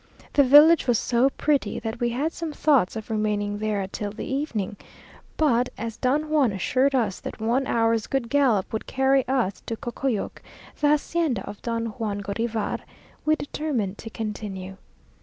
The village was so pretty that we had some thoughts of remaining there till the evening, but as Don Juan assured us that one hour's good gallop would carry us to Cocoyoc, the hacienda of Don Juan Gorivar, we determined to continue.